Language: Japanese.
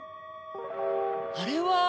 あれは。